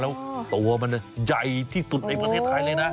แล้วตัวมันใหญ่ที่สุดในประเทศไทยเลยนะ